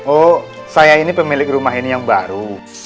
oh saya ini pemilik rumah ini yang baru